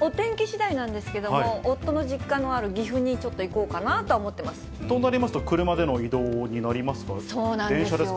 お天気しだいなんですけれども、夫の実家のある岐阜に、ちょっと行こうかなとは思ってまとなりますと、車での移動にそうなんです。